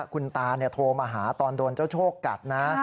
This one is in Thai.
คุณตาโทรมาหาตอนโดนเจ้าโชคกัดนะ